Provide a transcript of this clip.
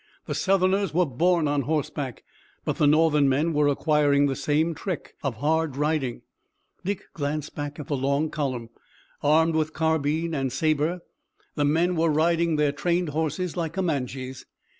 The Southerners were born on horseback, but the Northern men were acquiring the same trick of hard riding. Dick glanced back at the long column. Armed with carbine and saber the men were riding their trained horses like Comanches.